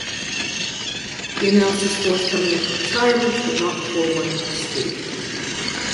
He announced his forthcoming retirement but not before one last streak.